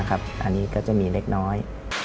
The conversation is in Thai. อันนี้ก็จะมีเล็กน้อย